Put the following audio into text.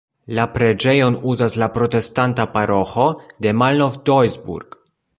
La preĝejon uzas la protestanta paroĥo de Malnov-Duisburg.